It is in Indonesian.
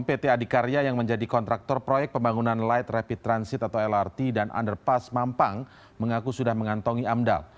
pt adhikarya yang menjadi kontraktor proyek pembangunan light rapid transit atau lrt dan underpass mampang mengaku sudah mengantongi amdal